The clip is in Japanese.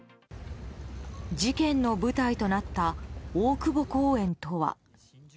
事件の舞台となった大久保公園とは。